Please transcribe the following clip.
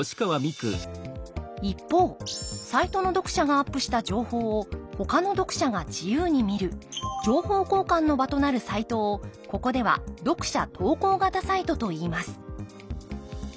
一方サイトの読者がアップした情報をほかの読者が自由に見る情報交換の場となるサイトをここでは読者投稿型サイトといいます